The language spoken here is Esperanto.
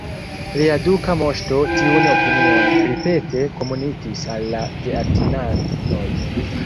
Lia duka moŝto tiun opinion ripete komunikis al la teatinanoj.